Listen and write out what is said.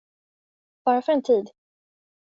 Bara för en tid.